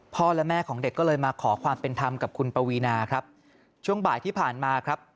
และแม่ของเด็กก็เลยมาขอความเป็นธรรมกับคุณปวีนาครับช่วงบ่ายที่ผ่านมาครับ